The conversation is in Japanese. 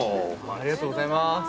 ありがとうございます。